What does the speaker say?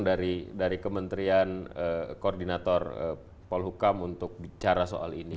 dari kementerian koordinator polhukam untuk bicara soal ini